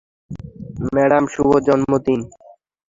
Madam, শুভ জন্মদিন।